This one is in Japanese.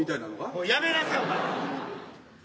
おいやめなさいお前は。